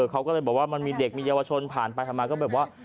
เขาก็เลยบอกว่ามันมีเด็กมีเยาวชนผ่านไปผ่านมาก็แบบว่า